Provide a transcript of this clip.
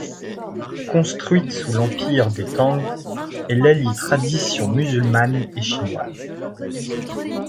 Construite sous l’empire des Tang, elle allie traditions musulmanes et chinoises.